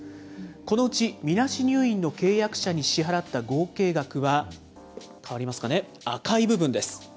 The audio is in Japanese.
このうち、みなし入院の契約者に支払った合計額は、変わりますかね、赤い部分です。